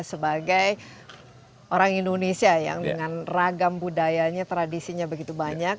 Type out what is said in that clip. sebagai orang indonesia yang dengan ragam budayanya tradisinya begitu banyak